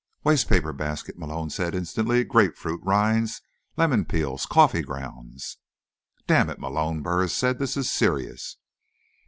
"Wastepaper basket," Malone said instantly. "Grapefruit rinds. Lemon peels. Coffee grounds." "Damn it, Malone," Burris said, "this is serious."